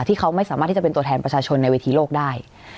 ที่เขาไม่สามารถที่จะเป็นตัวแทนประชาชนในเวทีโลกได้